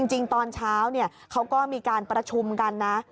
จริงตอนเช้าเขาก็มีการประชุมกันนะ